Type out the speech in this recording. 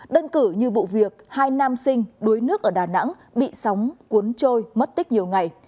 đơn cử như vụ việc hai nam sinh đuối nước ở đà nẵng bị sóng cuốn trôi mất tích nhiều ngày